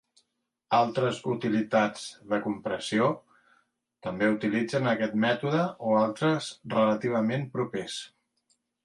Altres utilitats de compressió també utilitzen aquest mètode o altres relativament propers.